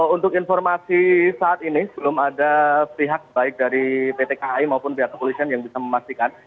untuk informasi saat ini belum ada pihak baik dari pt kai maupun pihak kepolisian yang bisa memastikan